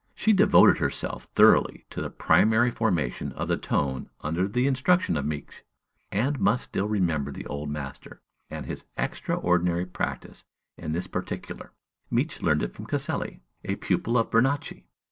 She devoted herself thoroughly to the primary formation of the tone under the instruction of Miksch, and must still remember the old master, and his extraordinary practice in this particular. Miksch learned it from Caselli, a pupil of Bernacchi.